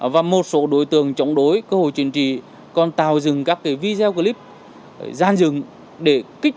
và một số đối tượng chống đối cơ hội chính trị còn tạo dựng các video clip gian dừng để kích